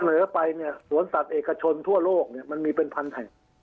ในส่วนสัตว์เอกชนทั่วโลกมันจะมีเป็นพันแทน